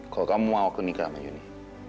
kalau kamu mau aku nikah sama yuni